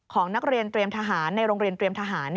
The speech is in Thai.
ของนักเรียนเตรียมทหารในโรงเรียนเตรียมทหาร